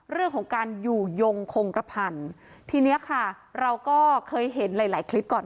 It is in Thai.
เรื่องของการอยู่ยงคงกระพันธุ์ทีเนี้ยค่ะเราก็เคยเห็นหลายหลายคลิปก่อน